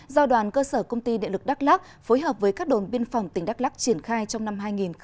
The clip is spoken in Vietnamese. do đoàn cơ sở công ty đại lực đắk lắk phối hợp với các đồn biên phòng tỉnh đắk lắk triển khai trong năm hai nghìn hai mươi